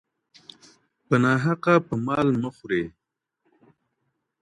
په ناحقه په مال مه خوري.